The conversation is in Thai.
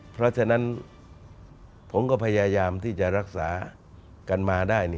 เพราะฉะนั้นผมก็พยายามที่จะรักษากันมาได้